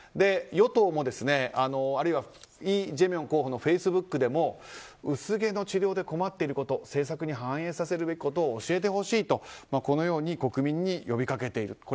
与党もあるいはイ・ジェミョン候補のフェイスブックでも薄毛の治療で困っていること政策に反映させるべきことを教えてほしいと国民に呼びかけている。